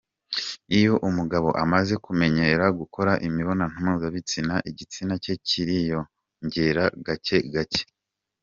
Iyo Umugabo amaze kumenyera gukora imibonano mpuzabitsina igitsina cye kiriyongera gake gake.